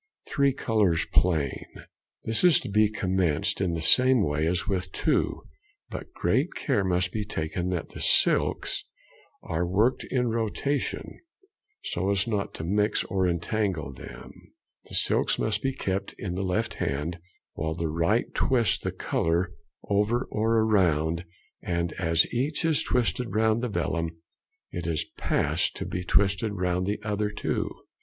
Three Colours Plain.—This is to be commenced in the same way as with two, but great care must be taken that the silks are worked in rotation so as not to mix or entangle them. The silks must be kept in the left hand, while the right twists the colour over or round, and as each is twisted round the vellum it is passed to be twisted round the other two.